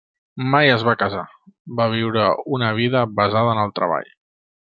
Mai es va casar, va viure una vida basada en el treball.